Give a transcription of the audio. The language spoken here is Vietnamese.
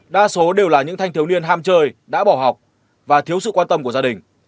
đa số đều là những thanh thiếu niên ham chơi đã bỏ học và thiếu sự quan tâm của gia đình